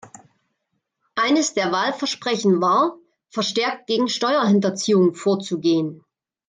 Eines der Wahlversprechen war, verstärkt gegen Steuerhinterziehung vorzugehen.